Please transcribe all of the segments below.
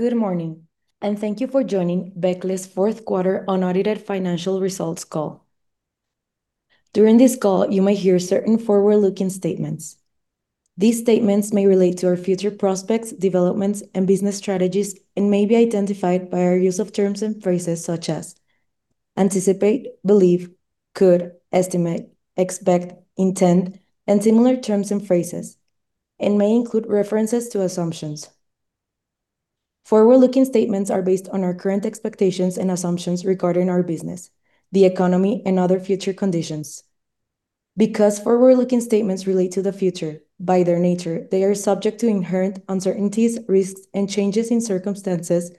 Good morning, and thank you for joining Becle's fourth quarter unaudited financial results call. During this call, you may hear certain forward-looking statements. These statements may relate to our future prospects, developments, and business strategies, and may be identified by our use of terms and phrases such as: anticipate, believe, could, estimate, expect, intend, and similar terms and phrases, and may include references to assumptions. Forward-looking statements are based on our current expectations and assumptions regarding our business, the economy, and other future conditions. Because forward-looking statements relate to the future, by their nature, they are subject to inherent uncertainties, risks, and changes in circumstances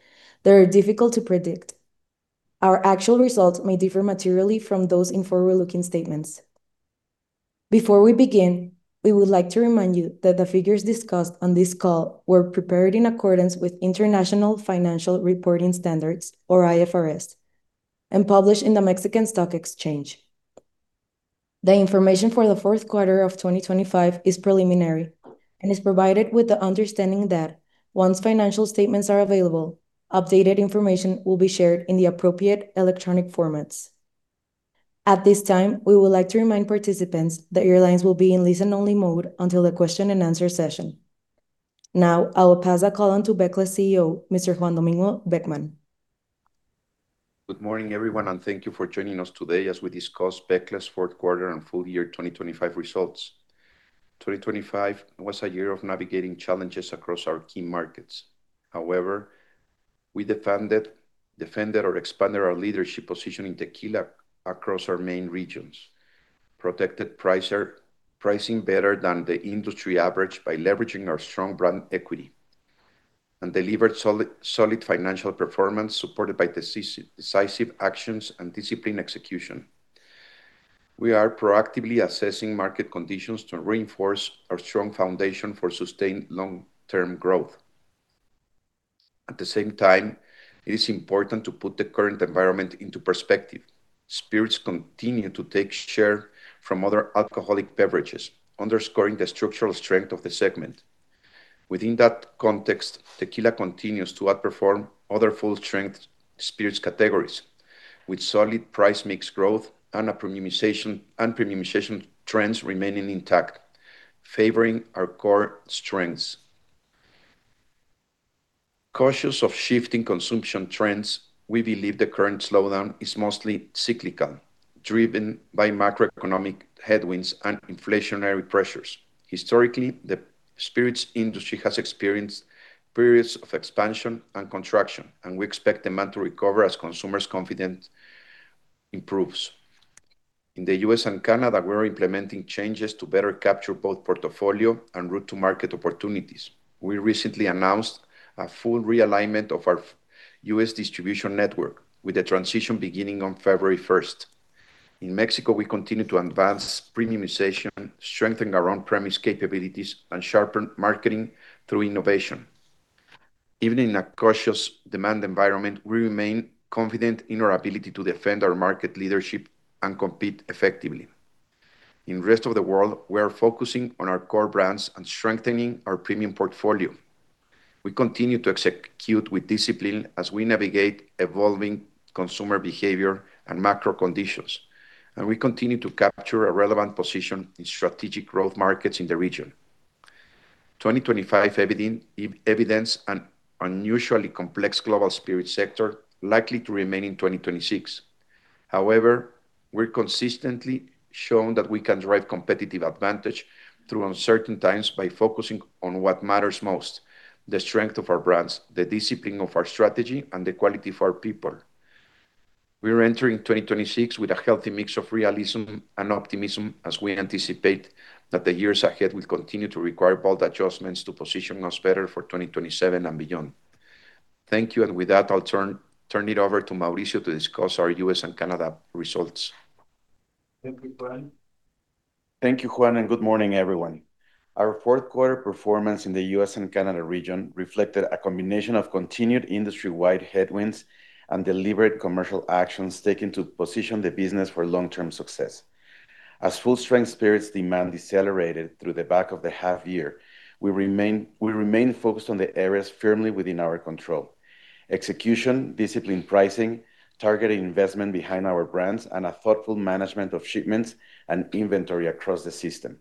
that are difficult to predict. Our actual results may differ materially from those in forward-looking statements. Before we begin, we would like to remind you that the figures discussed on this call were prepared in accordance with International Financial Reporting Standards, or IFRS, and published in the Mexican Stock Exchange. The information for the fourth quarter of 2025 is preliminary and is provided with the understanding that once financial statements are available, updated information will be shared in the appropriate electronic formats. At this time, we would like to remind participants that your lines will be in listen-only mode until the question and answer session. I will pass the call on to Becle's CEO, Mr. Juan Domingo Beckmann. Good morning, everyone, and thank you for joining us today as we discuss Becle's fourth quarter and full year 2025 results. 2025 was a year of navigating challenges across our key markets. However, we defended or expanded our leadership position in tequila across our main regions, protected pricing better than the industry average by leveraging our strong brand equity, and delivered solid financial performance, supported by decisive actions and disciplined execution. We are proactively assessing market conditions to reinforce our strong foundation for sustained long-term growth. At the same time, it is important to put the current environment into perspective. Spirits continue to take share from other alcoholic beverages, underscoring the structural strength of the segment. Within that context, tequila continues to outperform other full-strength spirits categories, with solid price mix growth and a premiumization trends remaining intact, favoring our core strengths. Cautious of shifting consumption trends, we believe the current slowdown is mostly cyclical, driven by macroeconomic headwinds and inflationary pressures. We expect demand to recover as consumers' confidence improves. In the U.S. and Canada, we're implementing changes to better capture both portfolio and route-to-market opportunities. We recently announced a full realignment of our U.S. distribution network, with the transition beginning on February 1st. In Mexico, we continue to advance premiumization, strengthen our on-premise capabilities, and sharpen marketing through innovation. Even in a cautious demand environment, we remain confident in our ability to defend our market leadership and compete effectively. In rest of the world, we are focusing on our core brands and strengthening our premium portfolio. We continue to execute with discipline as we navigate evolving consumer behavior and macro conditions, we continue to capture a relevant position in strategic growth markets in the region. 2025 evidenced an unusually complex global spirit sector, likely to remain in 2026. However, we've consistently shown that we can drive competitive advantage through uncertain times by focusing on what matters most: the strength of our brands, the discipline of our strategy, and the quality of our people. We are entering 2026 with a healthy mix of realism and optimism, as we anticipate that the years ahead will continue to require bold adjustments to position us better for 2027 and beyond. Thank you. With that, I'll turn it over to Mauricio to discuss our U.S. and Canada results. Thank you, Juan. Good morning, everyone. Our fourth quarter performance in the U.S. and Canada region reflected a combination of continued industry-wide headwinds and deliberate commercial actions taken to position the business for long-term success. As full-strength spirits demand decelerated through the back of the half year, we remain focused on the areas firmly within our control: execution, disciplined pricing, targeted investment behind our brands, and a thoughtful management of shipments and inventory across the system.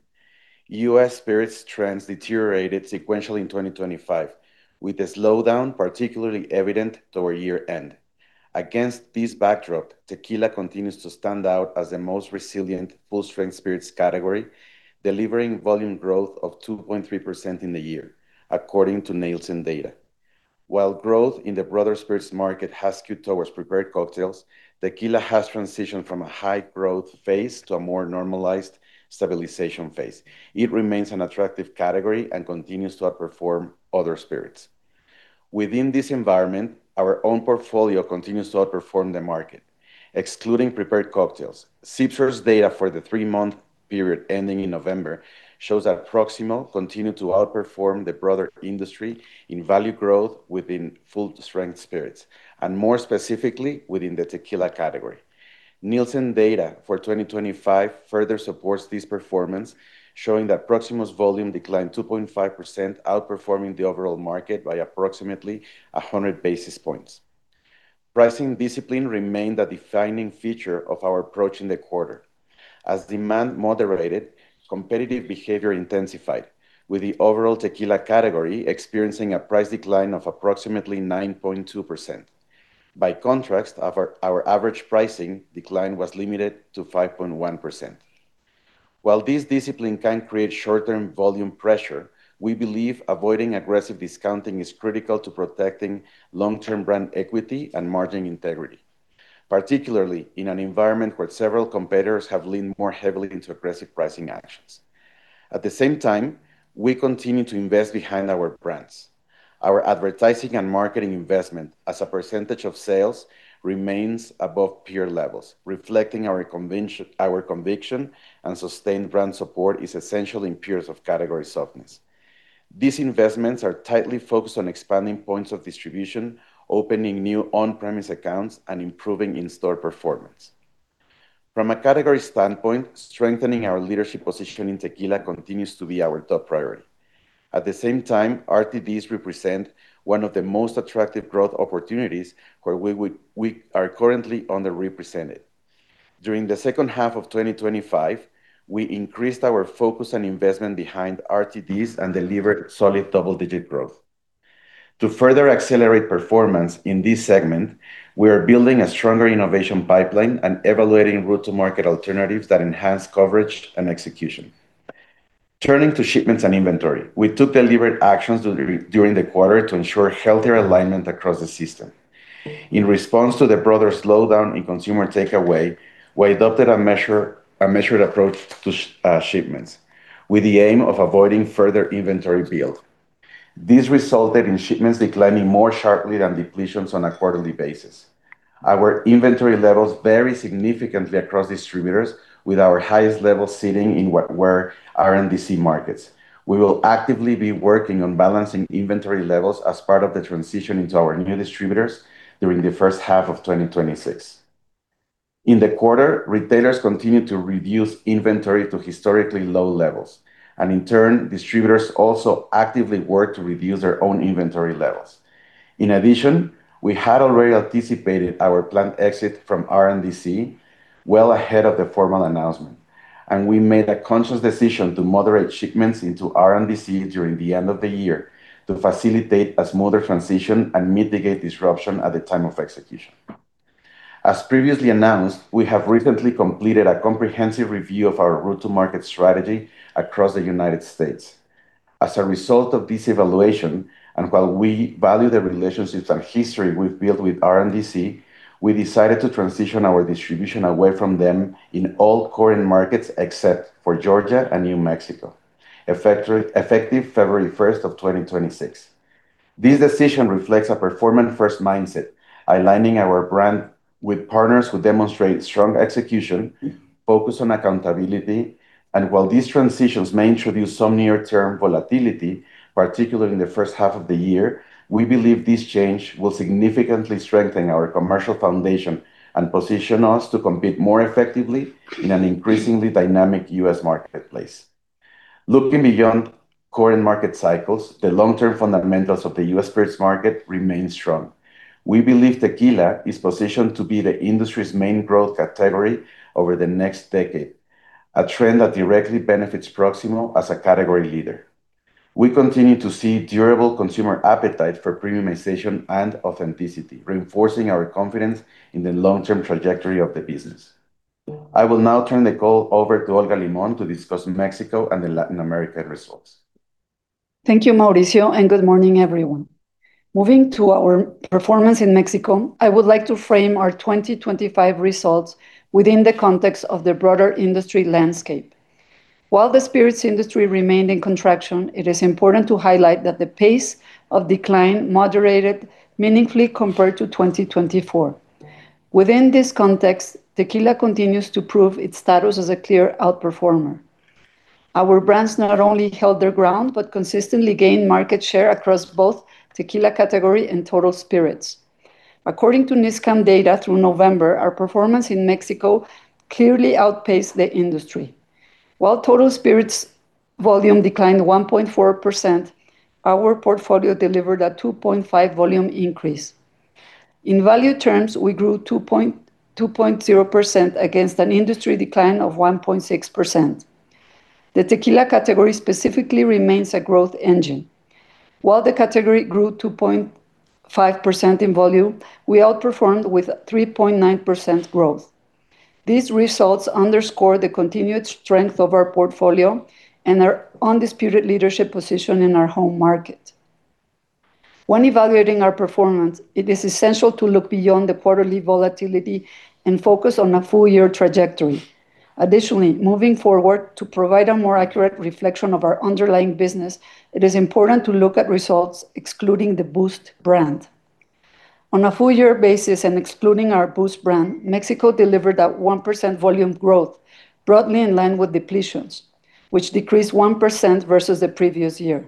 U.S. spirits trends deteriorated sequentially in 2025, with a slowdown particularly evident toward year-end. Against this backdrop, tequila continues to stand out as the most resilient full-strength spirits category, delivering volume growth of 2.3% in the year, according to Nielsen data. While growth in the broader spirits market has skewed towards prepared cocktails, tequila has transitioned from a high-growth phase to a more normalized stabilization phase. It remains an attractive category and continues to outperform other spirits. Within this environment, our own portfolio continues to outperform the market. Excluding prepared cocktails, SipSource data for the three-month period ending in November shows that Proximo continued to outperform the broader industry in value growth within full-strength spirits, and more specifically, within the tequila category. Nielsen data for 2025 further supports this performance, showing that Proximo's volume declined 2.5%, outperforming the overall market by approximately 100 basis points. Pricing discipline remained a defining feature of our approach in the quarter. As demand moderated, competitive behavior intensified, with the overall tequila category experiencing a price decline of approximately 9.2%. By contrast, our average pricing decline was limited to 5.1%. While this discipline can create short-term volume pressure, we believe avoiding aggressive discounting is critical to protecting long-term brand equity and margin integrity, particularly in an environment where several competitors have leaned more heavily into aggressive pricing actions. At the same time, we continue to invest behind our brands. Our advertising and marketing investment as a % of sales remains above peer levels, reflecting our conviction and sustained brand support is essential in periods of category softness. These investments are tightly focused on expanding points of distribution, opening new on-premise accounts, and improving in-store performance. From a category standpoint, strengthening our leadership position in tequila continues to be our top priority. At the same time, RTDs represent one of the most attractive growth opportunities where we are currently underrepresented. During the second half of 2025, we increased our focus and investment behind RTDs and delivered solid double-digit growth. To further accelerate performance in this segment, we are building a stronger innovation pipeline and evaluating route-to-market alternatives that enhance coverage and execution. Turning to shipments and inventory, we took deliberate actions during the quarter to ensure healthier alignment across the system. In response to the broader slowdown in consumer takeaway, we adopted a measured approach to shipments, with the aim of avoiding further inventory build. This resulted in shipments declining more sharply than depletions on a quarterly basis. Our inventory levels vary significantly across distributors, with our highest levels sitting in what were RNDC markets. We will actively be working on balancing inventory levels as part of the transition into our new distributors during the first half of 2026. In the quarter, retailers continued to reduce inventory to historically low levels. In turn, distributors also actively worked to reduce their own inventory levels. In addition, we had already anticipated our planned exit from RNDC well ahead of the formal announcement. We made a conscious decision to moderate shipments into RNDC during the end of the year to facilitate a smoother transition and mitigate disruption at the time of execution. As previously announced, we have recently completed a comprehensive review of our route-to-market strategy across the United States. As a result of this evaluation, while we value the relationships and history we've built with RNDC, we decided to transition our distribution away from them in all current markets, except for Georgia and New Mexico, effective February 1st of 2026. This decision reflects a performance-first mindset, aligning our brand with partners who demonstrate strong execution, focus on accountability. While these transitions may introduce some near-term volatility, particularly in the first half of the year, we believe this change will significantly strengthen our commercial foundation and position us to compete more effectively in an increasingly dynamic U.S. marketplace. Looking beyond current market cycles, the long-term fundamentals of the U.S. spirits market remain strong. We believe tequila is positioned to be the industry's main growth category over the next decade, a trend that directly benefits Proximo as a category leader. We continue to see durable consumer appetite for premiumization and authenticity, reinforcing our confidence in the long-term trajectory of the business. I will now turn the call over to Olga Limón to discuss Mexico and the Latin America results. Thank you, Mauricio. Good morning, everyone. Moving to our performance in Mexico, I would like to frame our 2025 results within the context of the broader industry landscape. While the spirits industry remained in contraction, it is important to highlight that the pace of decline moderated meaningfully compared to 2024. Within this context, tequila continues to prove its status as a clear outperformer. Our brands not only held their ground, but consistently gained market share across both tequila category and total spirits. According to ISCAM data through November, our performance in Mexico clearly outpaced the industry. While total spirits volume declined 1.4%, our portfolio delivered a 2.5% volume increase. In value terms, we grew 2.0% against an industry decline of 1.6%. The tequila category specifically remains a growth engine. While the category grew 2.5% in volume, we outperformed with 3.9% growth. These results underscore the continued strength of our portfolio and our undisputed leadership position in our home market. When evaluating our performance, it is essential to look beyond the quarterly volatility and focus on a full-year trajectory. Moving forward, to provide a more accurate reflection of our underlying business, it is important to look at results excluding the Boost brand. On a full-year basis and excluding our Boost brand, Mexico delivered a 1% volume growth, broadly in line with depletions, which decreased 1% versus the previous year.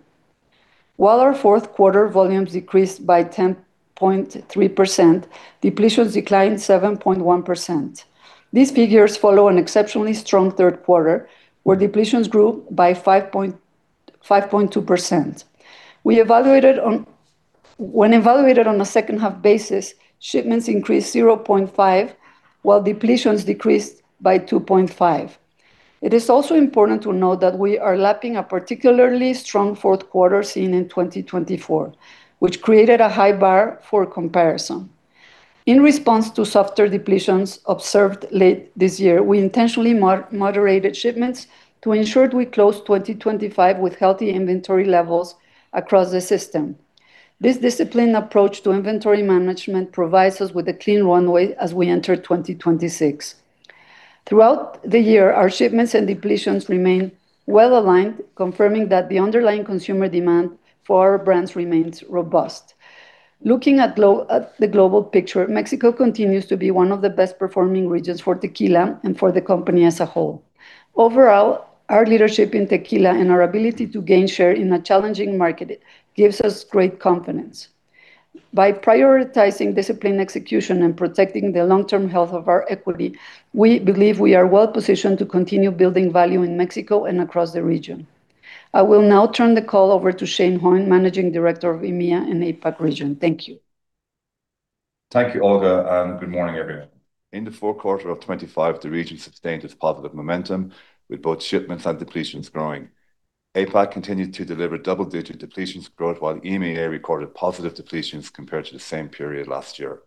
While our fourth quarter volumes decreased by 10.3%, depletions declined 7.1%. These figures follow an exceptionally strong third quarter, where depletions grew by 5.2%. We evaluated on, when evaluated on a second half basis, shipments increased 0.5%, while depletions decreased by 2.5%. It is also important to note that we are lapping a particularly strong fourth quarter seen in 2024, which created a high bar for comparison. In response to softer depletions observed late this year, we intentionally moderated shipments to ensure we close 2025 with healthy inventory levels across the system. This disciplined approach to inventory management provides us with a clean runway as we enter 2026. Throughout the year, our shipments and depletions remain well aligned, confirming that the underlying consumer demand for our brands remains robust. Looking at the global picture, Mexico continues to be one of the best performing regions for tequila and for the company as a whole. Overall, our leadership in tequila and our ability to gain share in a challenging market gives us great confidence. By prioritizing disciplined execution and protecting the long-term health of our equity, we believe we are well positioned to continue building value in Mexico and across the region. I will now turn the call over to Shane Hoyne, Managing Director of EMEA and APAC region. Thank you. Thank you, Olga, and good morning, everyone. In the fourth quarter of 2025, the region sustained its positive momentum, with both shipments and depletions growing. APAC continued to deliver double-digit depletions growth, while EMEA recorded positive depletions compared to the same period last year.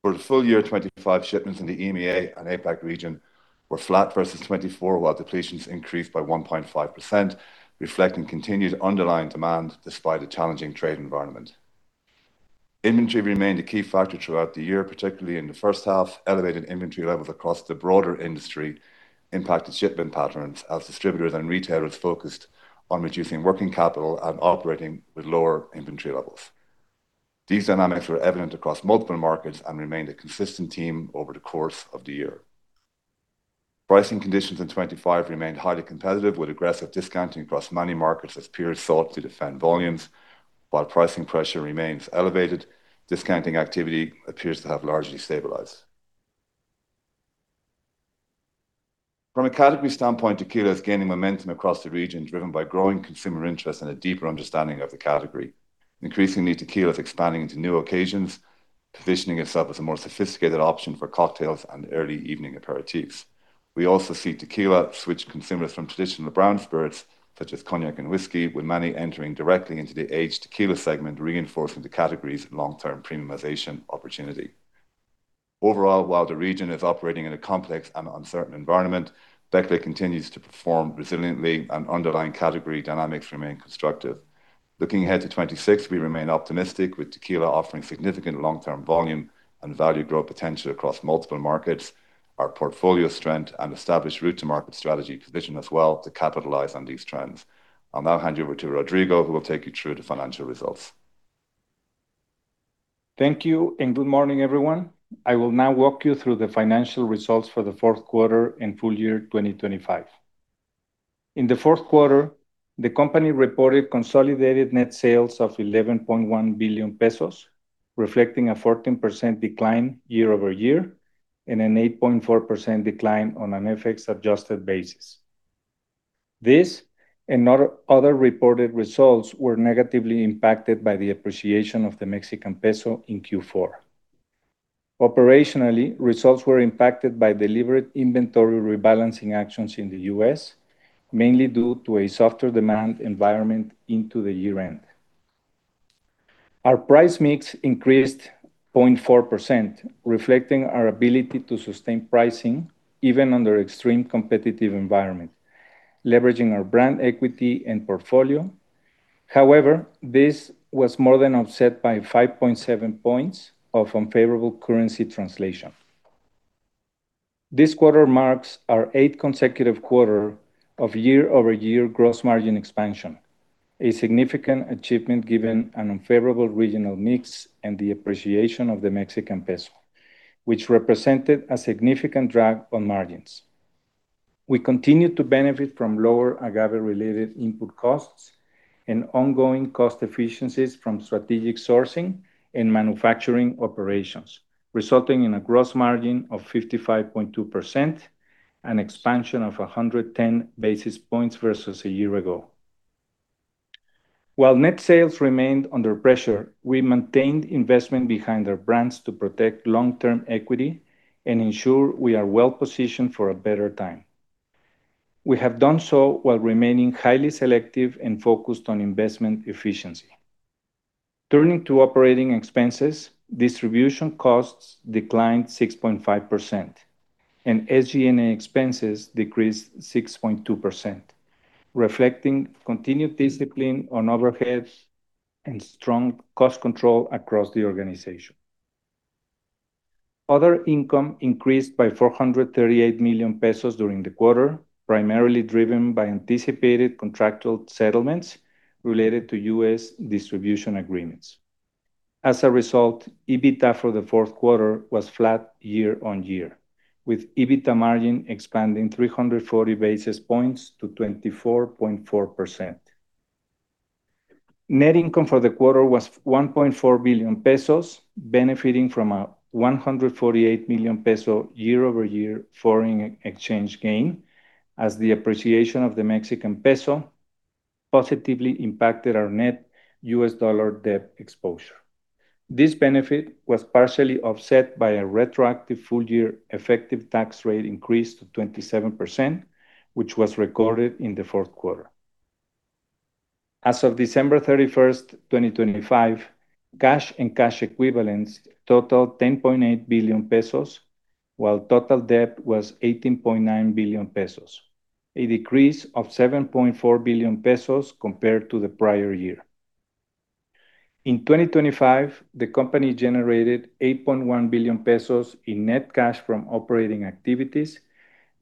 For the full year, 2025 shipments in the EMEA and APAC region were flat versus 2024, while depletions increased by 1.5%, reflecting continued underlying demand despite a challenging trade environment. Inventory remained a key factor throughout the year, particularly in the first half. Elevated inventory levels across the broader industry impacted shipment patterns as distributors and retailers focused on reducing working capital and operating with lower inventory levels. These dynamics were evident across multiple markets and remained a consistent theme over the course of the year. Pricing conditions in 2025 remained highly competitive, with aggressive discounting across many markets as peers sought to defend volumes. While pricing pressure remains elevated, discounting activity appears to have largely stabilized. From a category standpoint, tequila is gaining momentum across the region, driven by growing consumer interest and a deeper understanding of the category. Increasingly, tequila is expanding into new occasions, positioning itself as a more sophisticated option for cocktails and early evening aperitifs. We also see tequila switch consumers from traditional brown spirits, such as cognac and whiskey, with many entering directly into the aged tequila segment, reinforcing the category's long-term premiumization opportunity. Overall, while the region is operating in a complex and uncertain environment, Becle continues to perform resiliently and underlying category dynamics remain constructive. Looking ahead to 2026, we remain optimistic, with tequila offering significant long-term volume and value growth potential across multiple markets. Our portfolio strength and established route to market strategy position us well to capitalize on these trends. I'll now hand you over to Rodrigo, who will take you through the financial results. Thank you, and good morning, everyone. I will now walk you through the financial results for the fourth quarter and full year 2025. In the fourth quarter, the company reported consolidated net sales of 11.1 billion pesos, reflecting a 14% decline year-over-year and an 8.4% decline on an FX adjusted basis. This and other reported results were negatively impacted by the appreciation of the Mexican peso in Q4. Operationally, results were impacted by deliberate inventory rebalancing actions in the U.S., mainly due to a softer demand environment into the year-end. Our price mix increased 0.4%, reflecting our ability to sustain pricing even under extreme competitive environment, leveraging our brand equity and portfolio. However, this was more than offset by 5.7 points of unfavorable currency translation. This quarter marks our eighth consecutive quarter of year-over-year gross margin expansion, a significant achievement given an unfavorable regional mix and the appreciation of the Mexican peso, which represented a significant drag on margins. We continued to benefit from lower agave-related input costs and ongoing cost efficiencies from strategic sourcing and manufacturing operations, resulting in a gross margin of 55.2%, an expansion of 110 basis points versus a year ago. While net sales remained under pressure, we maintained investment behind our brands to protect long-term equity and ensure we are well positioned for a better time. We have done so while remaining highly selective and focused on investment efficiency. Turning to operating expenses, distribution costs declined 6.5%, and SG&A expenses decreased 6.2%, reflecting continued discipline on overheads and strong cost control across the organization. Other income increased by 438 million pesos during the quarter, primarily driven by anticipated contractual settlements related to U.S. distribution agreements. As a result, EBITDA for the fourth quarter was flat year-on-year, with EBITDA margin expanding 340 basis points to 24.4%. Net income for the quarter was 1.4 billion pesos, benefiting from a 148 million peso year-over-year foreign exchange gain, as the appreciation of the Mexican peso positively impacted our net U.S. dollar debt exposure. This benefit was partially offset by a retroactive full-year effective tax rate increase to 27%, which was recorded in the fourth quarter. As of December 31, 2025, cash and cash equivalents totaled 10.8 billion pesos, while total debt was 18.9 billion pesos, a decrease of 7.4 billion pesos compared to the prior year. In 2025, the company generated 8.1 billion pesos in net cash from operating activities,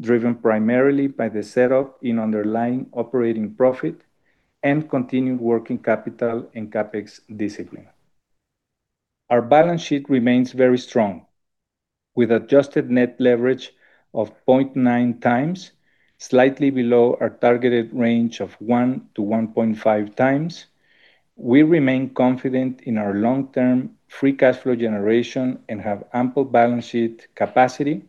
driven primarily by the set up in underlying operating profit and continued working capital and CapEx discipline. Our balance sheet remains very strong, with adjusted net leverage of 0.9x, slightly below our targeted range of 1x-1.5x. We remain confident in our long-term free cash flow generation and have ample balance sheet capacity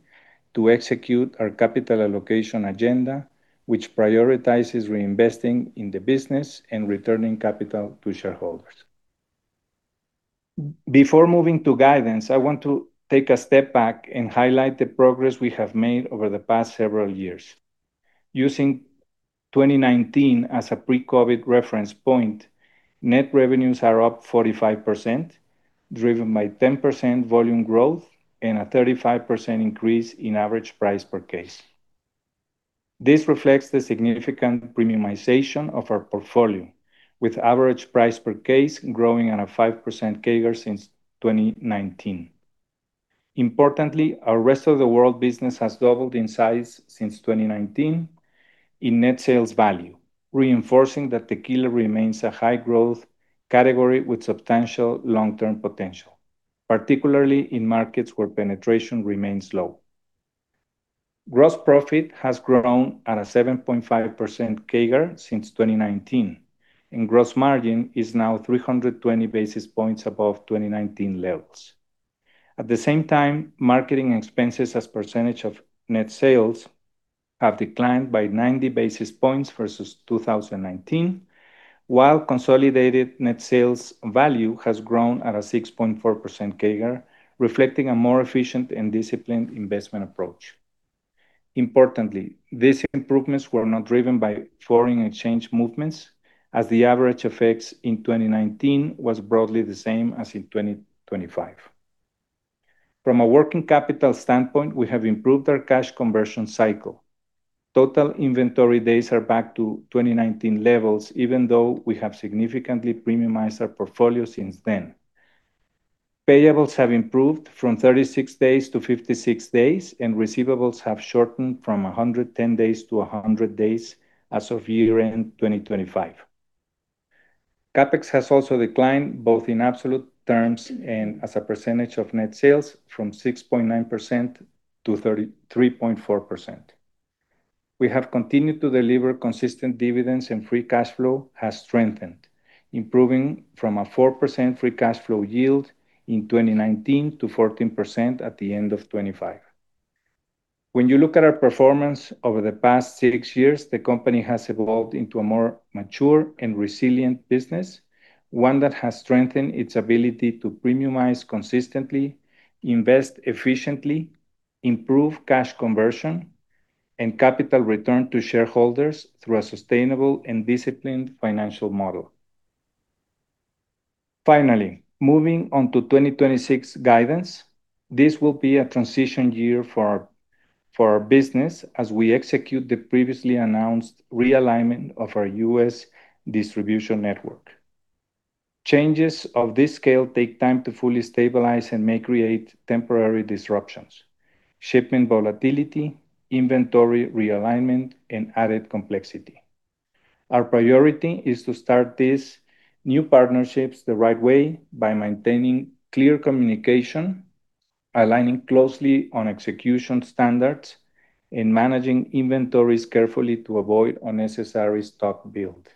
to execute our capital allocation agenda, which prioritizes reinvesting in the business and returning capital to shareholders. Before moving to guidance, I want to take a step back and highlight the progress we have made over the past several years. Using 2019 as a pre-COVID reference point, net revenues are up 45%, driven by 10% volume growth and a 35% increase in average price per case. This reflects the significant premiumization of our portfolio, with average price per case growing at a 5% CAGR since 2019. Importantly, our rest of the world business has doubled in size since 2019 in net sales value, reinforcing that tequila remains a high-growth category with substantial long-term potential, particularly in markets where penetration remains low. Gross profit has grown at a 7.5% CAGR since 2019, and gross margin is now 320 basis points above 2019 levels. At the same time, marketing expenses as percentage of net sales have declined by 90 basis points versus 2019, while consolidated net sales value has grown at a 6.4% CAGR, reflecting a more efficient and disciplined investment approach. Importantly, these improvements were not driven by foreign exchange movements, as the average effects in 2019 was broadly the same as in 2025. From a working capital standpoint, we have improved our cash conversion cycle. Total inventory days are back to 2019 levels, even though we have significantly premiumized our portfolio since then. Payables have improved from 36 days-56 days, and receivables have shortened from 110 days-100 days as of year-end 2025. CapEx has also declined, both in absolute terms and as a percentage of net sales, from 6.9%-33.4%. We have continued to deliver consistent dividends, and free cash flow has strengthened, improving from a 4% free cash flow yield in 2019 to 14% at the end of 2025. When you look at our performance over the past six years, the company has evolved into a more mature and resilient business, one that has strengthened its ability to premiumize consistently, invest efficiently, improve cash conversion, and capital return to shareholders through a sustainable and disciplined financial model. Moving on to 2026 guidance. This will be a transition year for our business as we execute the previously announced realignment of our U.S. distribution network. Changes of this scale take time to fully stabilize and may create temporary disruptions, shipment volatility, inventory realignment, and added complexity. Our priority is to start these new partnerships the right way by maintaining clear communication, aligning closely on execution standards, and managing inventories carefully to avoid unnecessary stock build.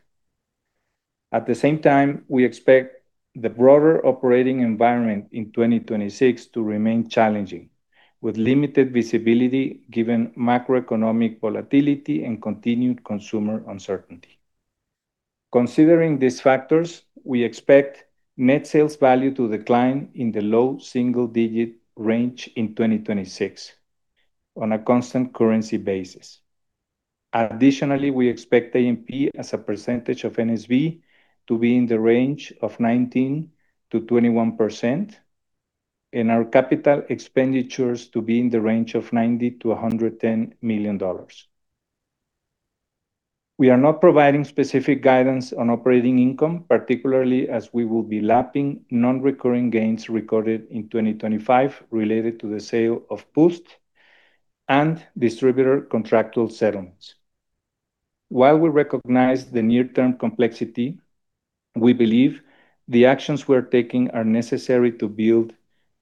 At the same time, we expect the broader operating environment in 2026 to remain challenging, with limited visibility given macroeconomic volatility and continued consumer uncertainty. Considering these factors, we expect net sales value to decline in the low single-digit range in 2026 on a constant currency basis. Additionally, we expect A&P as a percentage of NSV to be in the range of 19%-21%, and our capital expenditures to be in the range of MXN 90 million-MXN 110 million. We are not providing specific guidance on operating income, particularly as we will be lapping non-recurring gains recorded in 2025 related to the sale of Boost and distributor contractual settlements. While we recognize the near-term complexity, we believe the actions we're taking are necessary to build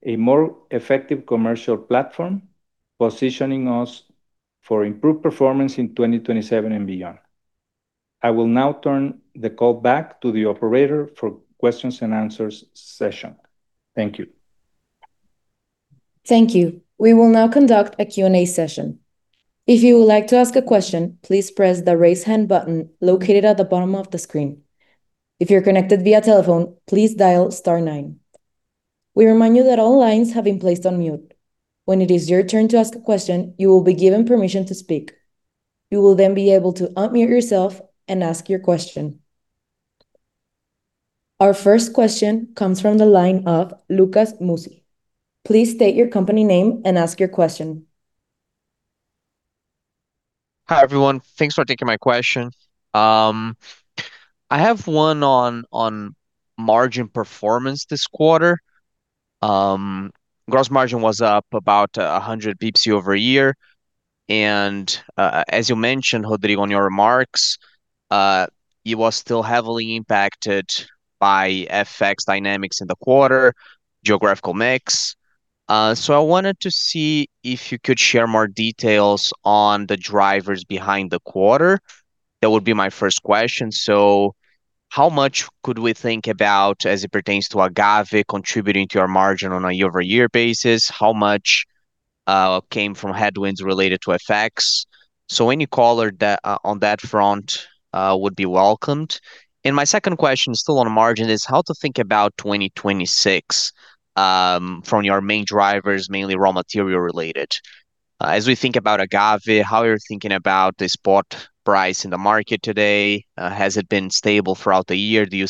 a more effective commercial platform, positioning us for improved performance in 2027 and beyond. I will now turn the call back to the operator for questions and answers session. Thank you. Thank you. We will now conduct a Q&A session. If you would like to ask a question, please press the Raise Hand button located at the bottom of the screen. If you're connected via telephone, please dial star nine. We remind you that all lines have been placed on mute. When it is your turn to ask a question, you will be given permission to speak. You will be able to unmute yourself and ask your question. Our first question comes from the line of Lucas Mussi. Please state your company name and ask your question. Hi, everyone. Thanks for taking my question. I have one on margin performance this quarter. Gross margin was up about 100 basis points year-over-year. As you mentioned, Rodrigo, on your remarks, it was still heavily impacted by FX dynamics in the quarter, geographical mix. I wanted to see if you could share more details on the drivers behind the quarter. That would be my first question. How much could we think about as it pertains to agave contributing to our margin on a year-over-year basis? How much came from headwinds related to FX? Any color on that front would be welcomed. My second question, still on margin, is how to think about 2026 from your main drivers, mainly raw material related. As we think about agave, how you're thinking about the spot price in the market today, has it been stable throughout the year? Do you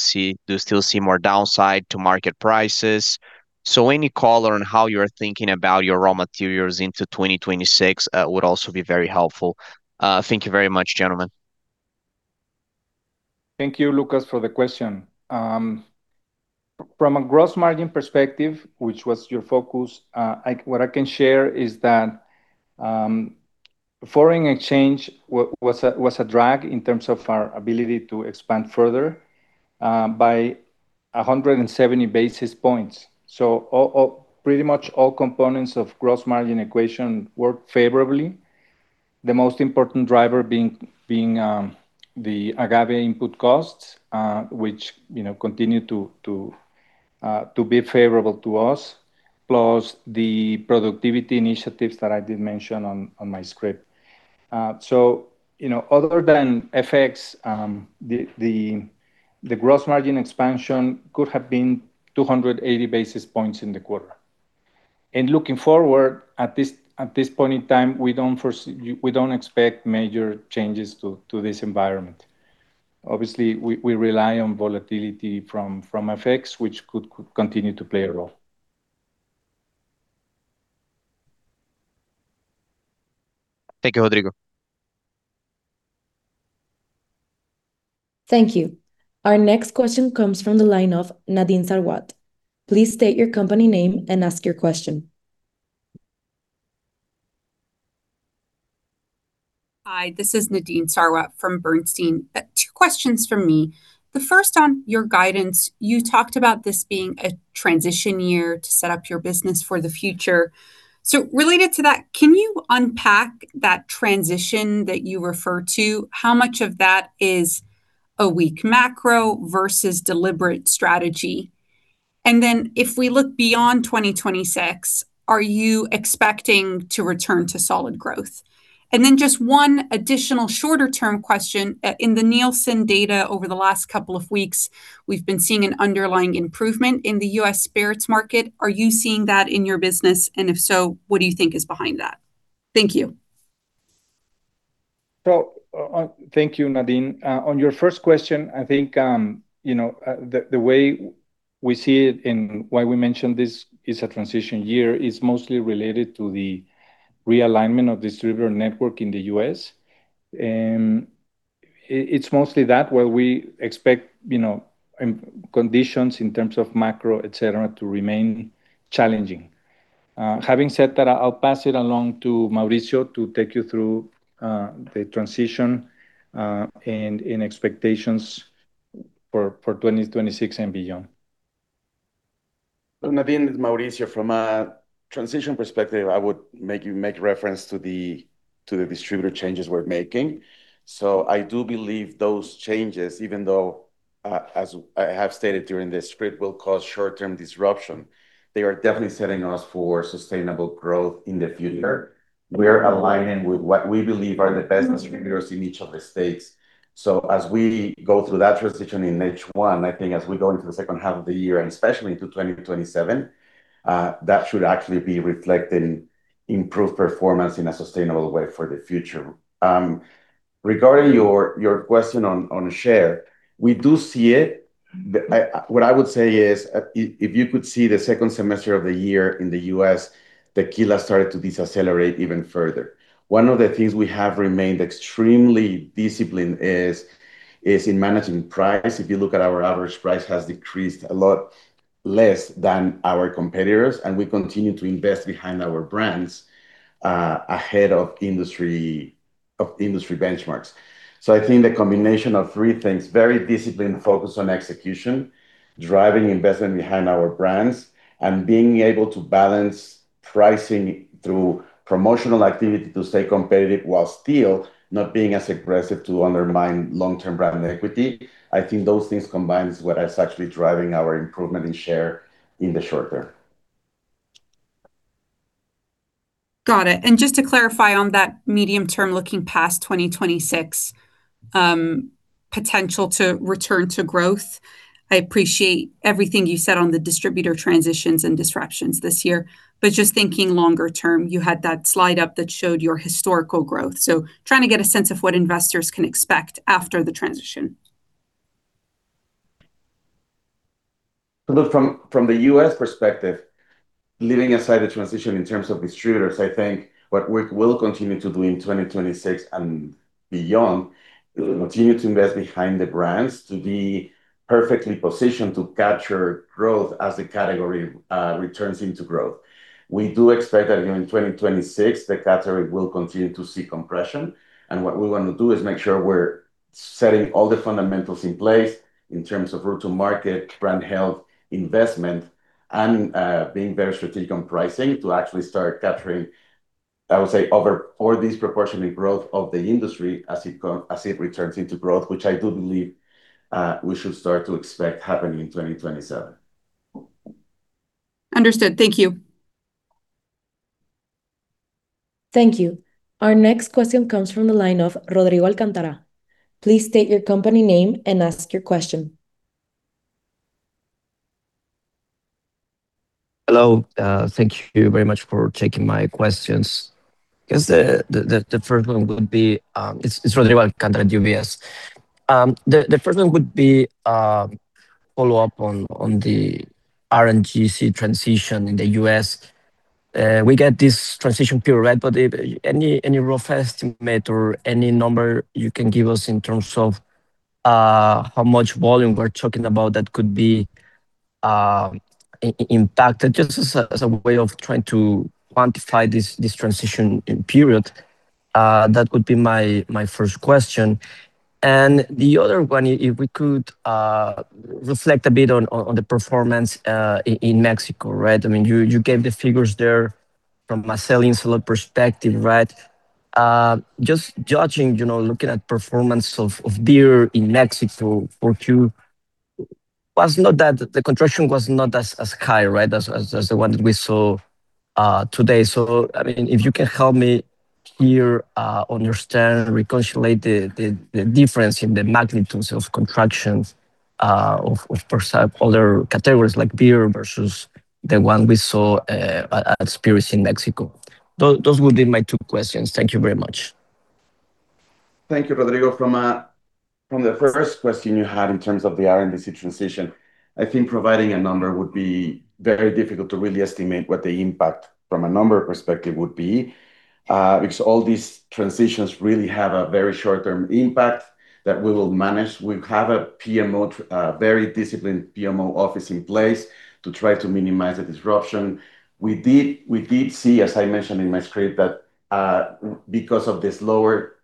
still see more downside to market prices? Any color on how you're thinking about your raw materials into 2026, would also be very helpful. Thank you very much, gentlemen. Thank you, Lucas, for the question. From a gross margin perspective, which was your focus, what I can share is that foreign exchange was a drag in terms of our ability to expand further by 170 basis points. All pretty much all components of gross margin equation worked favorably. The most important driver being the agave input costs, which, you know, continue to be favorable to us, plus the productivity initiatives that I did mention on my script. You know, other than FX, the gross margin expansion could have been 280 basis points in the quarter. Looking forward, at this, at this point in time, we don't expect major changes to this environment. Obviously, we rely on volatility from FX, which could continue to play a role. Thank you, Rodrigo. Thank you. Our next question comes from the line of Nadine Sarwat. Please state your company name and ask your question. Hi, this is Nadine Sarwat from Bernstein. Two questions from me. The first on your guidance: You talked about this being a transition year to set up your business for the future. Related to that, can you unpack that transition that you refer to? How much of that is a weak macro versus deliberate strategy? If we look beyond 2026, are you expecting to return to solid growth? Just 1 additional shorter-term question, in the Nielsen data over the last couple of weeks, we've been seeing an underlying improvement in the U.S. spirits market. Are you seeing that in your business? If so, what do you think is behind that? Thank you. Thank you, Nadine. On your first question, I think, you know, the way we see it and why we mentioned this is a transition year is mostly related to the realignment of distributor network in the U.S. It's mostly that where we expect, you know, conditions in terms of macro, et cetera, to remain challenging. Having said that, I'll pass it along to Mauricio to take you through the transition and in expectations for 2026 and beyond. Nadine, it's Mauricio. From a transition perspective, I would make reference to the distributor changes we're making. I do believe those changes, even though, as I have stated during the script, will cause short-term disruption, they are definitely setting us for sustainable growth in the future. We are aligning with what we believe are the best distributors in each of the states. As we go through that transition in H1, I think as we go into the second half of the year, and especially into 2027, that should actually be reflected in improved performance in a sustainable way for the future. Regarding your question on share, we do see it. What I would say is, if you could see the second semester of the year in the U.S., tequila started to decelerate even further. One of the things we have remained extremely disciplined is in managing price. If you look at our average price has decreased a lot less than our competitors, and we continue to invest behind our brands ahead of industry benchmarks. I think the combination of three things, very disciplined focus on execution, driving investment behind our brands, and being able to balance pricing through promotional activity to stay competitive while still not being as aggressive to undermine long-term brand equity. I think those things combined is what is actually driving our improvement in share in the short term. Got it. Just to clarify on that medium term, looking past 2026, potential to return to growth. I appreciate everything you said on the distributor transitions and disruptions this year, but just thinking longer term, you had that slide up that showed your historical growth. Trying to get a sense of what investors can expect after the transition. Look, from the U.S. perspective, leaving aside the transition in terms of distributors, I think what we will continue to do in 2026 and beyond, we'll continue to invest behind the brands to be perfectly positioned to capture growth as the category returns into growth. We do expect that in 2026, the category will continue to see compression, and what we want to do is make sure we're setting all the fundamentals in place in terms of route to market, brand health, investment, and being very strategic on pricing to actually start capturing, I would say, over or disproportionate growth of the industry as it returns into growth, which I do believe we should start to expect happening in 2027. Understood. Thank you. Thank you. Our next question comes from the line of Rodrigo Alcantara. Please state your company name and ask your question. Hello, thank you very much for taking my questions. I guess the first one would be, It's Rodrigo Alcantara at UBS. The first one would be, follow up on the RNDC transition in the U.S. We get this transition period, right? Any rough estimate or any number you can give us in terms of, how much volume we're talking about that could be impacted, just as a way of trying to quantify this transition period. That would be my first question. The other one, if we could reflect a bit on the performance in Mexico, right? I mean, you gave the figures there from a selling solo perspective, right? Just judging, you know, looking at performance of beer in Mexico for Q4, the contraction was not as high, right? As, as the one we saw today. I mean, if you can help me here, understand, reconcile the difference in the magnitudes of contractions, of course, other categories like beer versus the one we saw at Spirits in Mexico. Those would be my two questions. Thank you very much. Thank you, Rodrigo. From the first question you had in terms of the RNDC transition, I think providing a number would be very difficult to really estimate what the impact from a number perspective would be, because all these transitions really have a very short-term impact that we will manage. We have a PMO, very disciplined PMO office in place to try to minimize the disruption. We did see, as I mentioned in my script, that because of this lower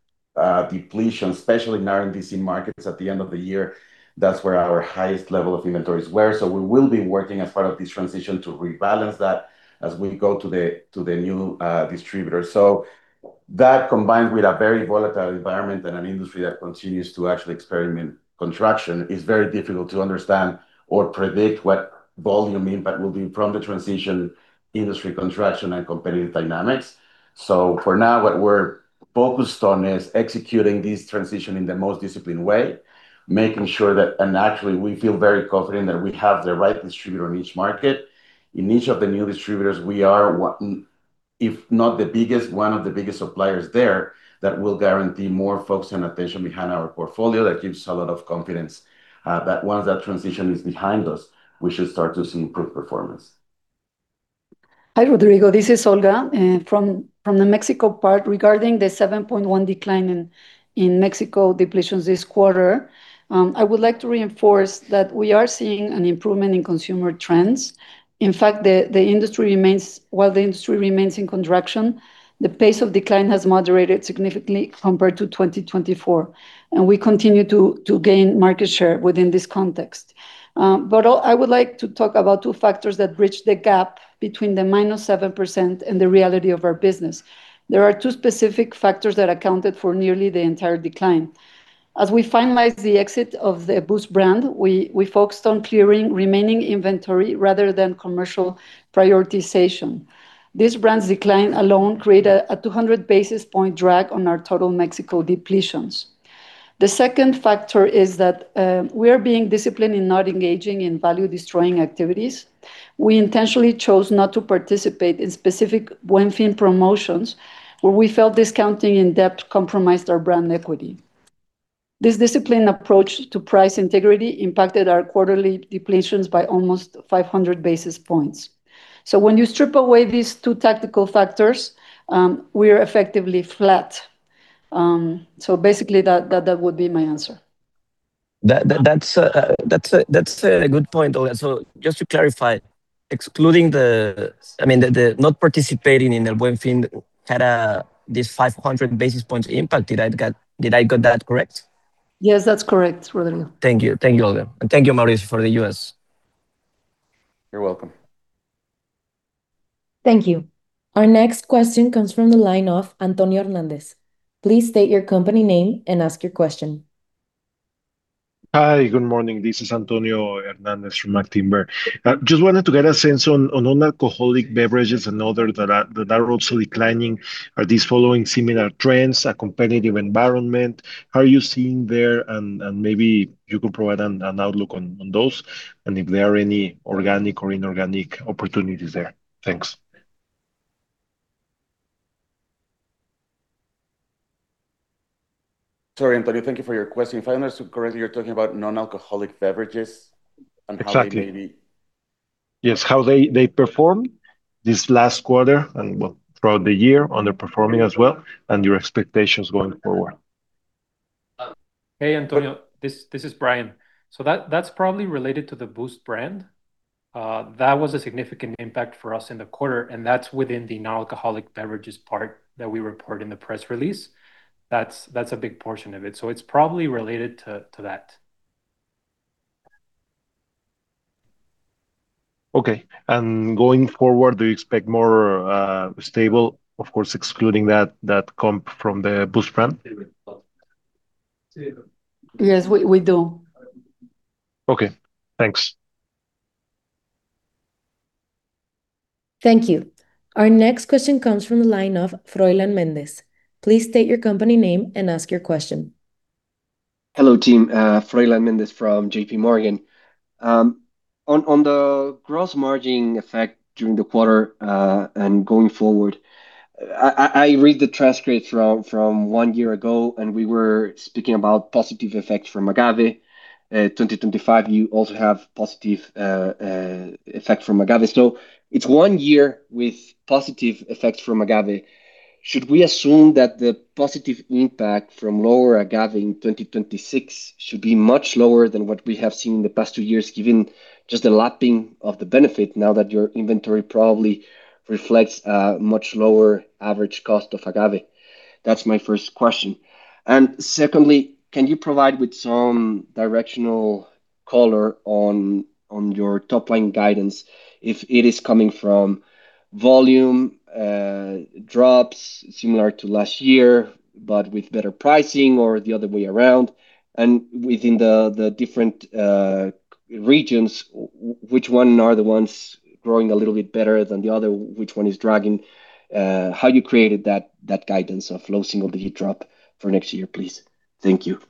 depletion, especially in RNDC markets at the end of the year, that's where our highest level of inventories were. We will be working as part of this transition to rebalance that as we go to the new distributor. That, combined with a very volatile environment and an industry that continues to actually experiment contraction, is very difficult to understand or predict what volume impact will be from the transition, industry contraction, and competitive dynamics. For now, what we're focused on is executing this transition in the most disciplined way. Actually, we feel very confident that we have the right distributor in each market. In each of the new distributors, we are one, if not the biggest, one of the biggest suppliers there, that will guarantee more focus and attention behind our portfolio. That gives us a lot of confidence, that once that transition is behind us, we should start to see improved performance. Hi, Rodrigo, this is Olga. From the Mexico part, regarding the 7.1% decline in Mexico depletions this quarter, I would like to reinforce that we are seeing an improvement in consumer trends. In fact, while the industry remains in contraction, the pace of decline has moderated significantly compared to 2024, we continue to gain market share within this context. I would like to talk about two factors that bridge the gap between the -7% and the reality of our business. There are two specific factors that accounted for nearly the entire decline. As we finalized the exit of the Boost brand, we focused on clearing remaining inventory rather than commercial prioritization. This brand's decline alone created a 200 basis points drag on our total Mexico depletions. The second factor is that we are being disciplined in not engaging in value-destroying activities. We intentionally chose not to participate in specific Buen Fin promotions, where we felt discounting in-depth compromised our brand equity. This disciplined approach to price integrity impacted our quarterly depletions by almost 500 basis points. When you strip away these two tactical factors, we are effectively flat. That would be my answer. That's a good point, Olga. Just to clarify, excluding I mean, the not participating in El Buen Fin had this 500 basis points impact. Did I got that correct? Yes, that's correct, Rodrigo. Thank you. Thank you, Olga, and thank you, Mauricio, for the U.S. You're welcome. Thank you. Our next question comes from the line of Antonio Hernandez. Please state your company name and ask your question. Hi, good morning. This is Antonio Hernandez from Actinver. Just wanted to get a sense on non-alcoholic beverages and other that are also declining. Are these following similar trends, a competitive environment? How are you seeing there, and maybe you could provide an outlook on those, and if there are any organic or inorganic opportunities there. Thanks. Sorry, Antonio, thank you for your question. If I understand correctly, you're talking about non-alcoholic beverages and how they may be- Exactly. Yes, how they performed this last quarter and, well, throughout the year, underperforming as well, and your expectations going forward. Hey, Antonio, this is Bryan. That's probably related to the Boost brand. That was a significant impact for us in the quarter, and that's within the non-alcoholic beverages part that we reported in the press release. That's a big portion of it, so it's probably related to that. Okay, going forward, do you expect more, stable, of course, excluding that comp from the Boost brand? Yes, we do. Okay, thanks. Thank you. Our next question comes from the line of Froylan Mendez. Please state your company name and ask your question. Hello, team. Froylan Mendez from JPMorgan. On the gross margin effect during the quarter, going forward, I read the transcript from one year ago. We were speaking about positive effect from agave. 2025, you also have positive effect from agave. It's one year with positive effects from agave. Should we assume that the positive impact from lower agave in 2026 should be much lower than what we have seen in the past two years, given just the lapping of the benefit now that your inventory probably reflects a much lower average cost of agave? That's my first question. Secondly, can you provide with some directional color on your top-line guidance, if it is coming from volume, drops similar to last year, but with better pricing or the other way around? Within the different, regions, which one are the ones growing a little bit better than the other? Which one is dragging? How you created that guidance of low single-digit drop for next year, please? Thank you.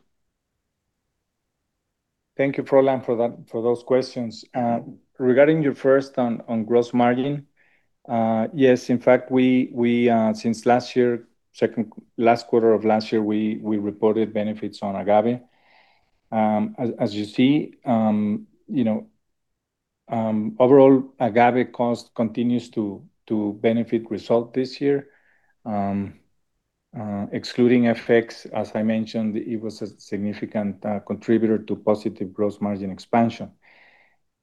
Thank you, Froylan, for those questions. Regarding your first on gross margin, yes, in fact, we, since last year, last quarter of last year, we reported benefits on agave. As you see, you know, overall agave cost continues to benefit result this year. Excluding effects, as I mentioned, it was a significant contributor to positive gross margin expansion.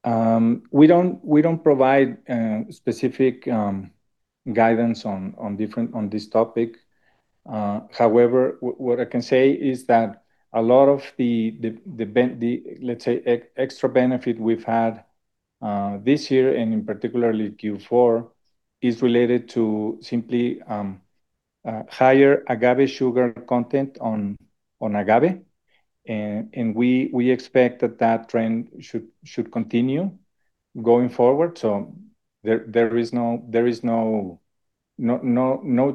We don't provide specific guidance on this topic. However, what I can say is that a lot of the, let's say, extra benefit we've had, this year, and in particularly Q4, is related to simply, higher agave sugar content on agave, and we expect that trend should continue going forward. There is no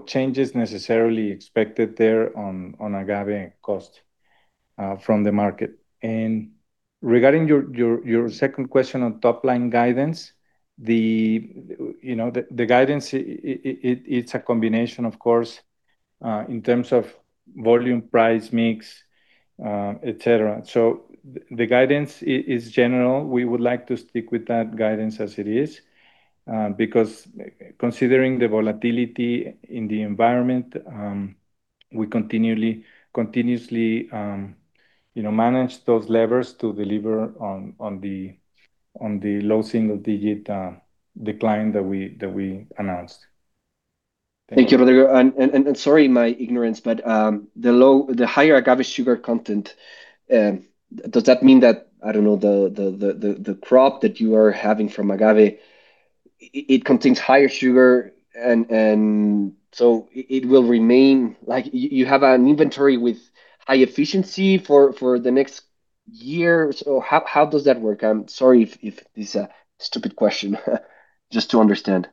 changes necessarily expected there on agave cost from the market. Regarding your second question on top-line guidance, you know, the guidance, it's a combination, of course, in terms of volume, price, mix, etc. The guidance is general. We would like to stick with that guidance as it is because considering the volatility in the environment, we continuously, you know, manage those levers to deliver on the low single-digit decline that we announced. Thank you, Rodrigo, and sorry, my ignorance, but the higher agave sugar content, does that mean that, I don't know, the crop that you are having from agave, it contains higher sugar, and so Like, you have an inventory with high efficiency for the next year or so? How does that work? I'm sorry if this a stupid question, just to understand. Yeah,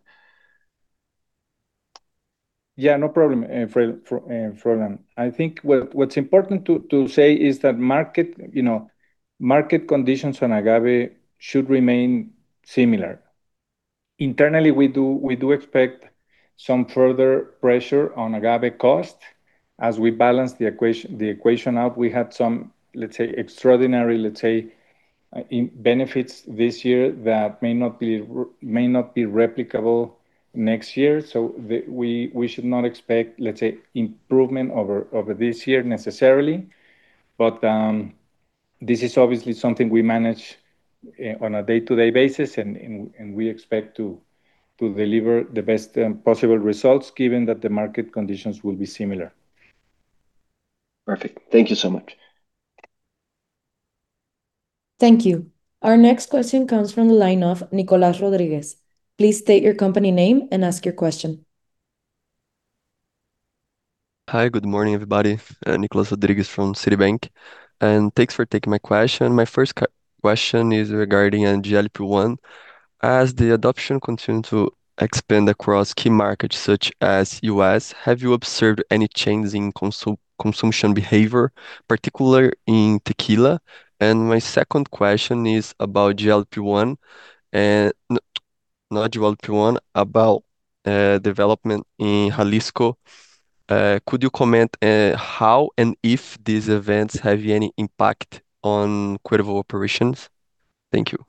no problem, Froylan. I think what's important to say is that market, you know, market conditions on agave should remain similar. Internally, we do expect some further pressure on agave cost as we balance the equation out. We had some, let's say, extraordinary. in benefits this year that may not be replicable next year, we should not expect, let's say, improvement over this year necessarily. This is obviously something we manage on a day-to-day basis, and we expect to deliver the best possible results, given that the market conditions will be similar. Perfect. Thank you so much. Thank you. Our next question comes from the line of Nicolas Rodriguez. Please state your company name and ask your question. Hi, good morning, everybody. Nicolas Rodriguez from Citibank, and thanks for taking my question. My first question is regarding GLP-1. As the adoption continue to expand across key markets, such as U.S., have you observed any changes in consumption behavior, particularly in tequila? My second question is about GLP-1 and... not GLP-1, about development in Jalisco. Could you comment how and if these events have any impact on Cuervo operations? Thank you.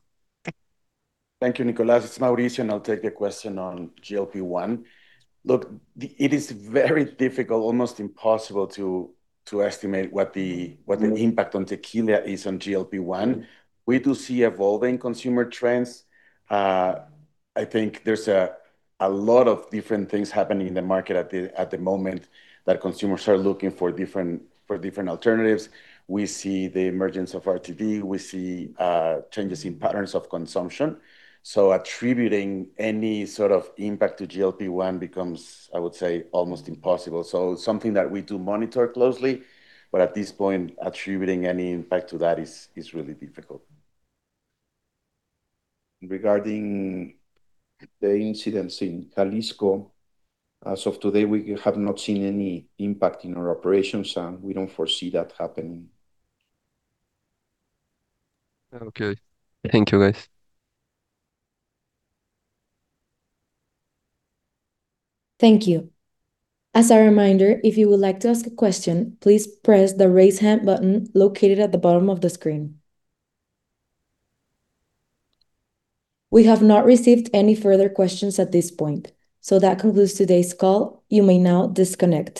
Thank you, Nicholas. It's Mauricio. I'll take the question on GLP-1. Look, it is very difficult, almost impossible, to estimate what the impact on tequila is on GLP-1. We do see evolving consumer trends. I think there's a lot of different things happening in the market at the moment, that consumers are looking for different alternatives. We see the emergence of RTD, we see changes in patterns of consumption. Attributing any sort of impact to GLP-1 becomes, I would say, almost impossible. It's something that we do monitor closely, but at this point, attributing any impact to that is really difficult. Regarding the incidents in Jalisco, as of today, we have not seen any impact in our operations, we don't foresee that happening. Okay. Thank you, guys. Thank you. As a reminder, if you would like to ask a question, please press the Raise Hand button located at the bottom of the screen. We have not received any further questions at this point, so that concludes today's call. You may now disconnect.